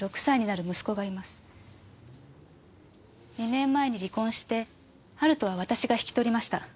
２年前に離婚して春斗は私が引き取りました。